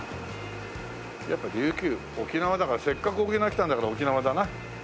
やっぱ琉球沖縄だからせっかく沖縄来たんだから沖縄だな。